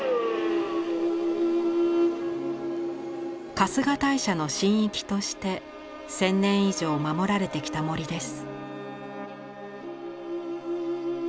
春日大社の神域として千年以上守られてきた森です。